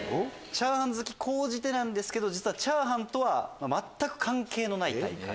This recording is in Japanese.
チャーハン好きが高じてなんですけどチャーハンとは全く関係のない大会。